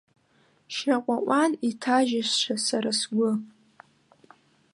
Шьаҟәаҟәан иҭажьыз сара сгәы.